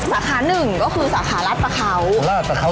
สาขา๑ก็คือสาขาราชประเขา